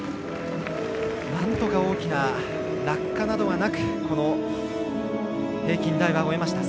なんとか大きな落下などはなくこの平均台は終えました。